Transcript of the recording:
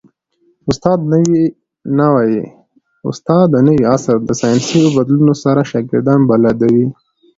استاد د نوي عصر د ساینسي بدلونونو سره شاګردان بلدوي.